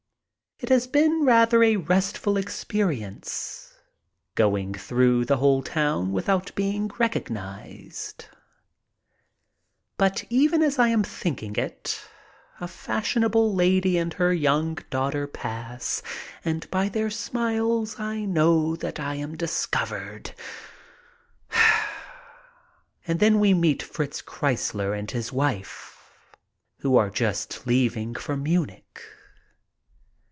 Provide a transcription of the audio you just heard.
It has been rather a restful experience, going through the whole town without being recognized, but even as I am thinking it a fashionable lady and her young daughter pass, and by their smiles I know that I am again discovered. And then we meet Fritz Kreisler and his wife, who are just leaving for Munich.